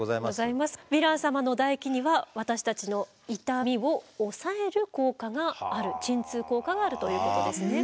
ヴィラン様の唾液には私たちの痛みを抑える効果がある鎮痛効果があるということですね。